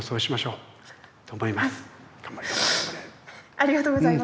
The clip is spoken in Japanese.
ありがとうございます。